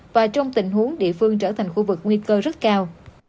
và trong tình huống địa phương trở thành khu vực nguy cơ rất cao